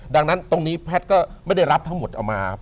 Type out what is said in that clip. ดังนั้นตรงนี้แพทย์ก็ไม่ได้รับทั้งหมดเอามา